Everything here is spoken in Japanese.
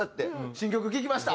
「新曲聴きました」。